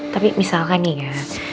tapi misalkan nih ya